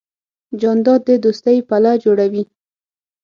جانداد د دوستۍ پله جوړوي.